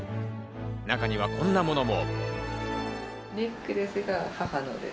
中には、こんなものも。